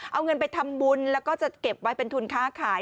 เอาเงินไปทำบุญแล้วก็จะเก็บไว้เป็นทุนค้าขาย